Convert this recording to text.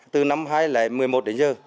từ năm hai nghìn một mươi một đến giờ